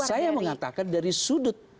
saya mengatakan dari sudut